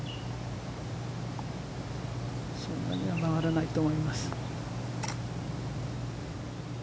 そんなには曲がらないと思います。